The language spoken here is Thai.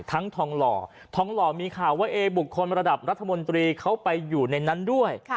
ทองหล่อทองหล่อมีข่าวว่าเอบุคคลระดับรัฐมนตรีเขาไปอยู่ในนั้นด้วย